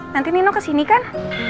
nanti nino kesini kan